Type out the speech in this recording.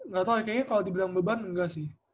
gak tau ya kayaknya kalau dibilang beban enggak sih